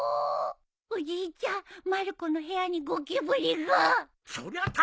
おじいちゃんまる子の部屋にゴキブリが！